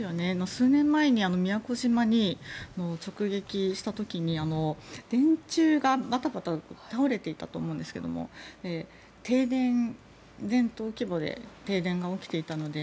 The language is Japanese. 数年前に宮古島を直撃した時に電柱がバタバタと倒れていたと思うんですけども停電、全島規模で停電が起きていたので